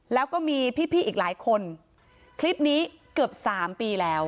แล้วก็มีพี่อีกหลายคนคลิปนี้เกือบสามปีแล้ว